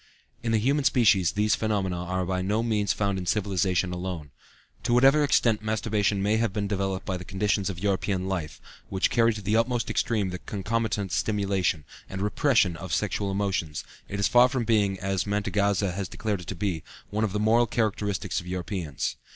In the human species these phenomena are by no means found in civilization alone. To whatever extent masturbation may have been developed by the conditions of European life, which carry to the utmost extreme the concomitant stimulation, and repression of the sexual emotions, it is far from being, as Mantegazza has declared it to be, one of the moral characteristics of Europeans.